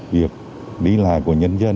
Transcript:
việc đi lại của nhân dân